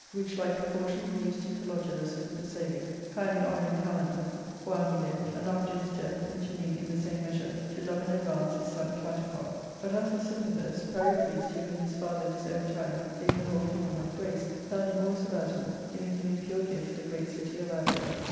Which like proportion he used to Kalo dulus in Thessalia ; highly honouring Kalander while he lived, and after his death continuing in the same measure to love and advance his son Clitophon. But as for Sympathus, Pyrocles, to whom his father in his own time gave the whole kingdom of Thrace, held him always about him, giving him in pure gift the great city of Abdera.